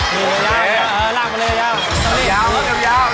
หยาบหยาบ